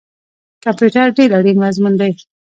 کمپیوټر ډیر اړین مضمون دی